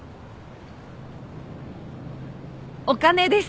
お金です。